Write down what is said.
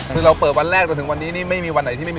คือเราเปิดวันแรกจนถึงวันนี้นี่ไม่มีวันไหนที่ไม่มี